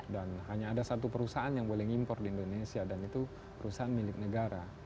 dan hanya ada satu perusahaan yang boleh diimpor di indonesia dan itu perusahaan milik negara